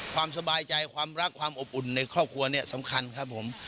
ความสบายใจความรักความอบอุ่นในครอบครัวเนี่ยสำคัญครับผม